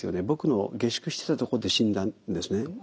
僕の下宿してたとこで死んだんですね。